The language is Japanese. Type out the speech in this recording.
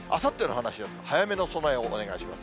早めの備えをお願いします。